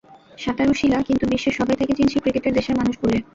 সাঁতারু শিলা, কিন্তু বিশ্বের সবাই তাঁকে চিনেছে ক্রিকেটের দেশের মানুষ বলে।